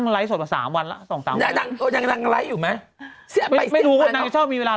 รอจบข่าวแต่ขนาดไลก์